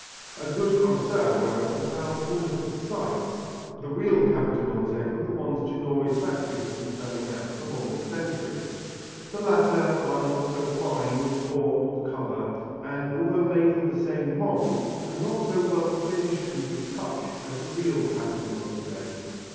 A good connoisseur, however, can tell, almost at sight, the real Capodimonte from the ones Ginori's factory has been turning out for more than a century. The latter are not so fine in form or colour, and although made from the same mould are not so well finished and retouched as the real Capodimonte.